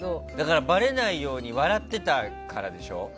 ばれないように笑ってたからでしょ。